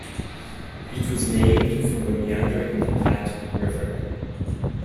It was named from a meander in the Platte River.